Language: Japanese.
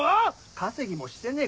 稼ぎもしてねえ